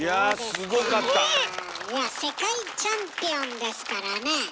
すごい！いや世界チャンピオンですからねえ。